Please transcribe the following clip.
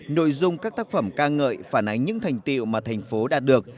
nội dung các tác phẩm ca ngợi phản ánh những thành tiệu mà thành phố đạt được